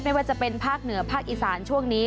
ไม่ว่าจะเป็นภาคเหนือภาคอีสานช่วงนี้